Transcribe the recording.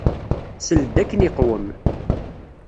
Sel-d akken iqwem.